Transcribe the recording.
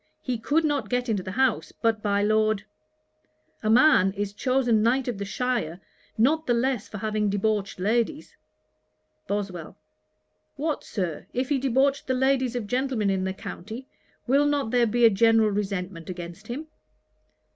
He could not get into the house but by Lord . A man is chosen Knight of the shire, not the less for having debauched ladies.' BOSWELL. 'What, Sir, if he debauched the ladies of gentlemen in the county, will not there be a general resentment against him?'